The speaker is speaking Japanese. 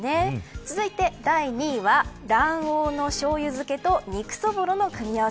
続いて第２位は卵黄のしょうゆ漬けと肉そぼろの組み合わせ。